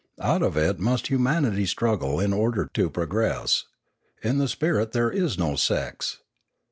Out of it must humanity struggle in order to progress. " In the spirit there is no sex."